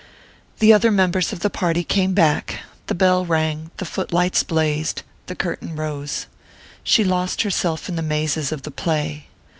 The other members of the party came back the bell rang, the foot lights blazed, the curtain rose. She lost herself in the mazes of the play.